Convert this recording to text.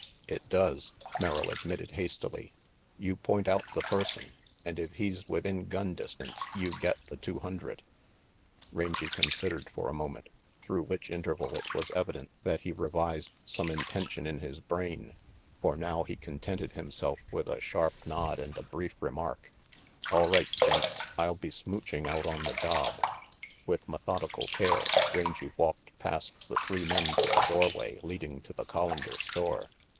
"It does," Merrill admitted hastily. "You point out the person, and if he's within gun distance, you get the two hundred." 266 RANGY PETE Rangy considered for a moment, through which interval it was evident that he revised some intention in his brain, for now he contented himself with a sharp nod and the brief remark: "All right, gents, I'll be smooching out on the job." With methodical care, Rangy walked past the three men to the doorway leading to the Collander store.